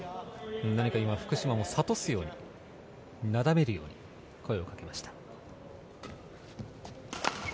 福島も諭すようになだめるように声をかけました。